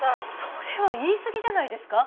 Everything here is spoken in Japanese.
それは言いすぎじゃないですか？